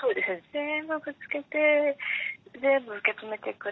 全部ぶつけて全部受け止めてくれて。